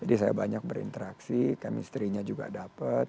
jadi saya banyak berinteraksi chemistry nya juga dapat